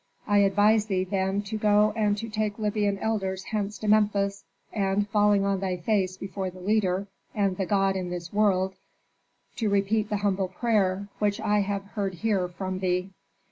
I advise thee, then, to go and to take Libyan elders hence to Memphis, and, falling on thy face before the leader and the god in this world, to repeat the humble prayer, which I have heard here from thee.